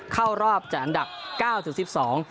เข้ารอบจากอันดับ๙ถึง๑๒